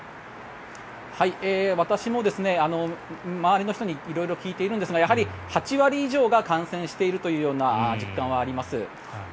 私も周りの人に色々聞いているんですがやはり８割以上が感染しているというような実感はあります。